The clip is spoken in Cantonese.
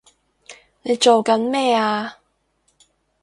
你做緊咩啊！